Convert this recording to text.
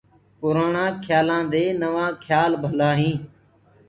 پُرآڻآ کيآلآندي نوآ کيآل ڀلآ هينٚ۔